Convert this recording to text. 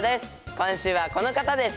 今週はこの方です。